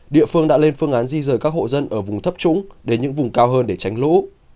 địa phương đã lên phương án di rời các hộ dân ở vùng thấp trũng đến những vùng cao hơn để tránh lũ